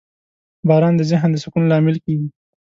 • باران د ذهن د سکون لامل کېږي.